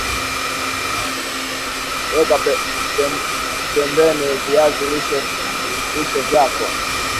Weka pembeni viazi lishe vyako